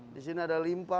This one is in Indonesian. di sini ada limpa